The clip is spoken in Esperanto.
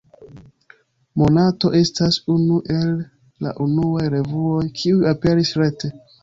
Monato estas unu el la unuaj revuoj, kiuj aperis rete.